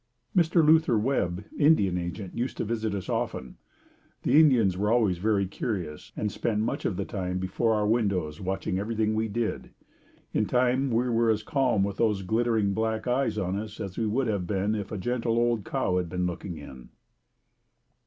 Mr. Luther Webb, Indian agent, used to visit us often. The Indians were always very curious, and spent much of the time before our windows watching everything we did. In time we were as calm with those glittering black eyes on us as we would have been if a gentle old cow had been looking in.